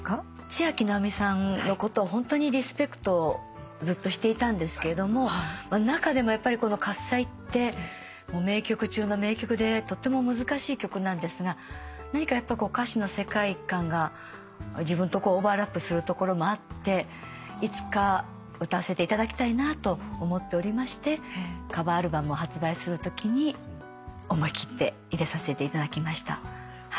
ちあきなおみさんのことをホントにリスペクトずっとしていたんですけども中でもやっぱりこの『喝采』って名曲中の名曲でとっても難しい曲なんですが何かやっぱ歌詞の世界観が自分とオーバーラップするところもあっていつか歌わせていただきたいなと思っておりましてカバーアルバムを発売するときに思い切って入れさせていただきました。